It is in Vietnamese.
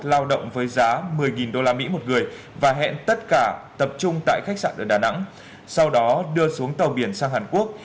lao động với giá một mươi usd một người và hẹn tất cả tập trung tại khách sạn ở đà nẵng sau đó đưa xuống tàu biển sang hàn quốc